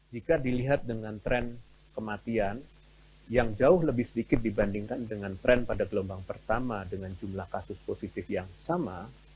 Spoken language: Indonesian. jika dilihat dengan tren kematian yang jauh lebih sedikit dibandingkan dengan tren pada gelombang pertama dengan jumlah kasus positif yang sama